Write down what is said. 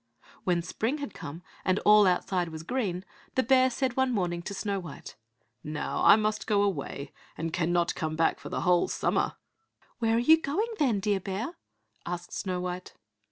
When spring had come and all outside was green, the bear said one morning to Snow white, "Now I must go away, and cannot come back for the whole summer." "Where are you going, then, dear bear?" asked Snow white.